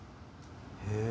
へえ。